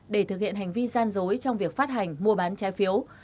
để thực hiện hành vi gian dối trong việc phát hành mua bán trái phiếu